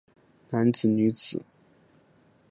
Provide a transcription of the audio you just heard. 男子女子